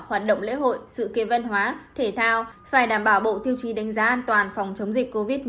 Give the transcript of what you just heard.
hoạt động lễ hội sự kiện văn hóa thể thao phải đảm bảo bộ tiêu chí đánh giá an toàn phòng chống dịch covid một mươi chín